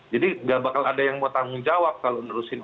jadi nggak bakal ada yang mau tanggung jawab kalau menurut saya